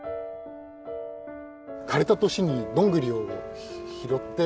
枯れた年にどんぐりを拾って。